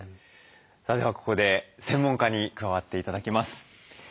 さあではここで専門家に加わって頂きます。